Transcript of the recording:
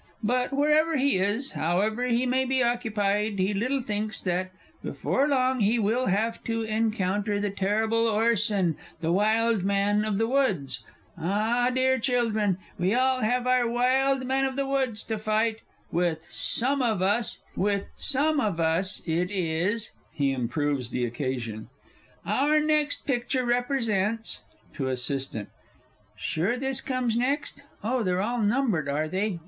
But, wherever he is, however he may be occupied, he little thinks that, before long, he will have to encounter the terrible Orson, the Wild Man of the Woods! Ah, dear children, we all have our Wild Man of the Woods to fight. With some of us it is (He improves the occasion). Our next picture represents (To ASSISTANT). Sure this comes next? Oh, they're all numbered, are they?